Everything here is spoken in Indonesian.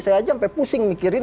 saya aja sampai pusing mikirin